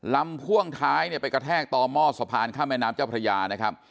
พ่วงท้ายเนี่ยไปกระแทกต่อหม้อสะพานข้ามแม่น้ำเจ้าพระยานะครับ